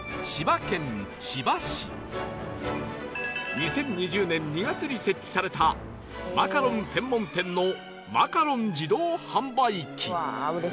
２０２０年２月に設置されたマカロン専門店のマカロン自動販売機